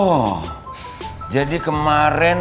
oh jadi kemaren